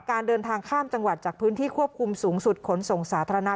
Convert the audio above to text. การเดินทางข้ามจังหวัดจากพื้นที่ควบคุมสูงสุดขนส่งสาธารณะ